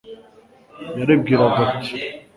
yaribwiraga ati